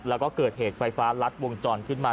แล้วก็เกิดเหตุไฟฟ้ารัดวงจรขึ้นมา